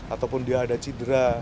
ataupun dia ada cedera